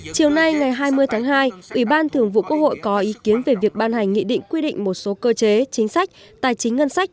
chiều nay ngày hai mươi tháng hai ủy ban thường vụ quốc hội có ý kiến về việc ban hành nghị định quy định một số cơ chế chính sách tài chính ngân sách